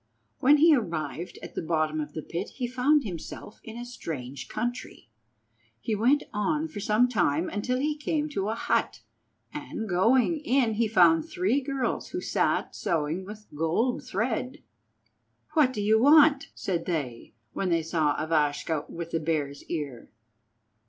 When he arrived at the bottom of the pit he found himself in a strange country. He went on for some time until he came to a hut, and, going in, he found three girls who sat sewing with gold thread. "What do you want?" said they, when they saw Ivashka with the Bear's Ear.